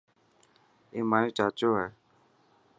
اي مايو چاچو هي.